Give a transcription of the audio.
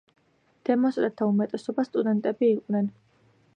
დემონსტრანტთა უმეტესობა სტუდენტები იყვნენ.